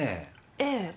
ええ。